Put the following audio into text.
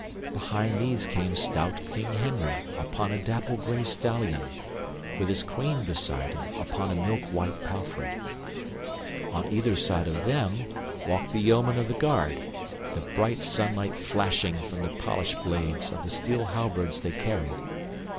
Behind these came stout King Henry upon a dapple gray stallion, with his Queen beside him upon a milk white palfrey. On either side of them walked the yeomen of the guard, the bright sunlight flashing from the polished blades of the steel halberds they carried.